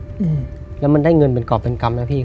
อืมแล้วมันได้เงินเป็นกรอบเป็นกรรมนะพี่